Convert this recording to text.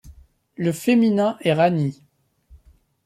Le féminin est rani.